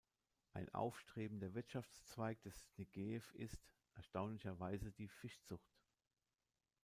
Ein aufstrebender Wirtschaftszweig des Negev ist erstaunlicherweise die Fischzucht.